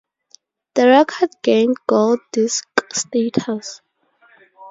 The record gained gold disc status.